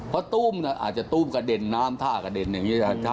เพราะตู้มอาจจะตู้มกระเด็นน้ำท่ากระเด็นอย่างนี้